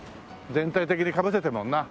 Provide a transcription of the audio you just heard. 全体的にかぶせてるもんな。